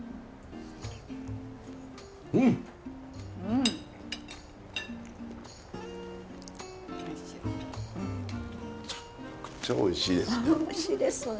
むちゃくちゃおいしいですね。